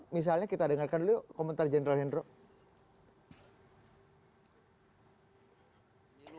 misalnya kita dengarkan dulu komentar general hendro